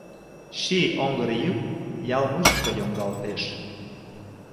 Ший оҥгыр йӱк ял мучко йоҥгалтеш.